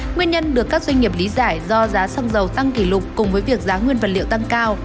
nguyên nhân được các doanh nghiệp lý giải do giá xăng dầu tăng kỷ lục cùng với việc giá nguyên vật liệu tăng cao